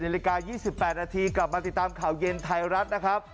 ๑๗อรกา๒๘นาทีกลับมาติดตามข่าวเย็นไทยรัฐ